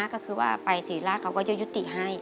ก็คือว่าไปศรีราชเขาก็จะยุติให้